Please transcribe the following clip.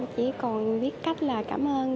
chỉ còn biết cách là cảm ơn